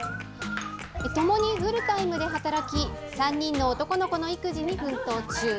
ともにフルタイムで働き、３人の男の子の育児に奮闘中。